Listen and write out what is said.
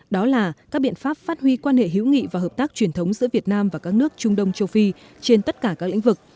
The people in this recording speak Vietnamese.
đó là các biện pháp phát huy quan hệ hữu nghị và hợp tác truyền thống giữa việt nam và các nước trung đông châu phi trên tất cả các lĩnh vực